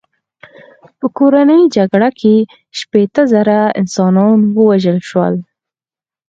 په کورنۍ جګړه کې شپېته زره انسانان ووژل شول.